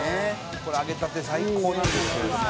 これ揚げたて最高なんですけれども。